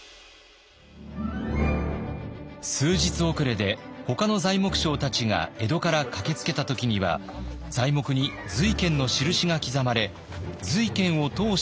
数日遅れでほかの材木商たちが江戸から駆けつけた時には材木に瑞賢の印が刻まれ瑞賢を通して買うことになりました。